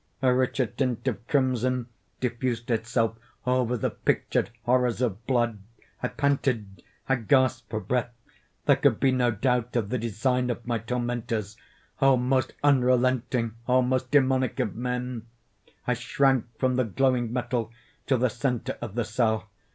A richer tint of crimson diffused itself over the pictured horrors of blood. I panted! I gasped for breath! There could be no doubt of the design of my tormentors—oh! most unrelenting! oh! most demoniac of men! I shrank from the glowing metal to the centre of the cell.